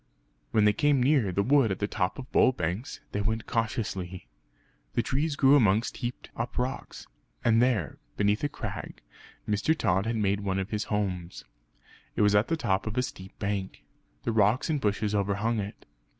When they came near the wood at the top of Bull Banks, they went cautiously. The trees grew amongst heaped up rocks; and there, beneath a crag Mr. Tod had made one of his homes. It was at the top of a steep bank; the rocks and bushes overhung it.